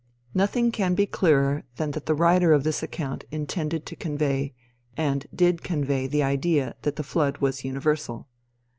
Nothing can be clearer than that the writer of this account intended to convey, and did convey the idea that the flood was universal.